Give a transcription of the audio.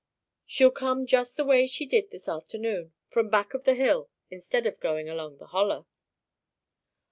She'll come just the way she did this afternoon, from back of the hill instead of along the holler."